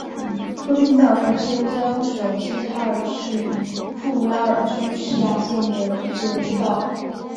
和平街道是中国黑龙江省齐齐哈尔市富拉尔基区下辖的一个街道。